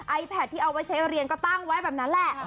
ไอแพทที่เอาไว้ใช้เรียนก็ตั้งไว้แบบนั้นแหละ